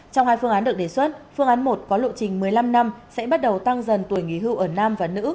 trong hai phương án được đề xuất phương án một có lộ trình một mươi năm năm sẽ bắt đầu tăng dần tuổi nghỉ hưu ở nam và nữ